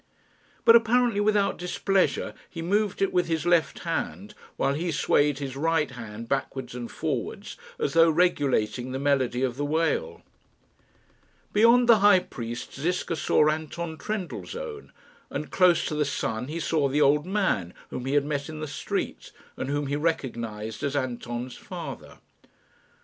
But, apparently without displeasure, he moved it with his left hand, while he swayed his right hand backwards and forwards as though regulating the melody of the wail. Beyond the High Priest Ziska saw Anton Trendellsohn, and close to the son he saw the old man whom he had met in the street, and whom he recognised as Anton's father.